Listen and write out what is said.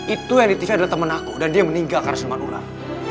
itu yang di tv adalah temen aku dan dia meninggalkan siluman ular